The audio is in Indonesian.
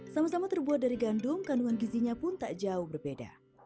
sama sama terbuat dari gandum kandungan gizinya pun tak jauh berbeda